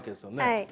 はい。